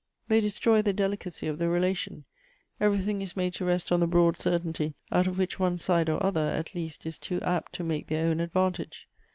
They destroy the delicacy of the relation ; everything is made to rest on the bi'oad cer tainty out of which one side or other, at least, is too apt. to make their own advantage.